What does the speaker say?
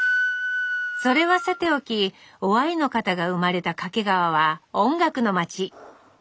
それはさておき於愛の方が生まれた掛川は音楽の街。